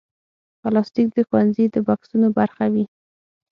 پلاستيک د ښوونځي د بکسونو برخه وي.